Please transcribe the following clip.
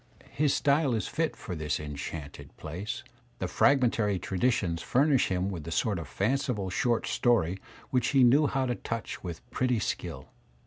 His style is fit for this enchanted palace; the fragmentary traditions fur nish him with the sort of fanciful short story which he knew how to touch with pretty skill.